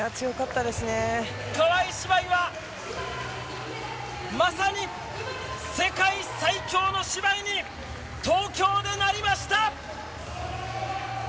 川井姉妹はまさに世界最強の姉妹に東京でなりました！